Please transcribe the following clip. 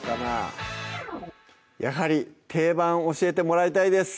やはり定番教えてもらいたいです